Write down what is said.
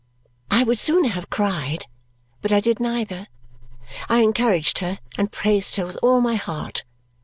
I would sooner have cried, but I did neither. I encouraged her and praised her with all my heart.